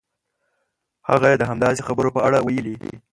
هغه یې د همداسې خبرو په اړه ویلي.